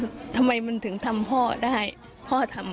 เนื่องจากนี้ไปก็คงจะต้องเข้มแข็งเป็นเสาหลักให้กับทุกคนในครอบครัว